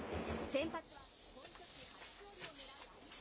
先発は本拠地初勝利をねらう有原。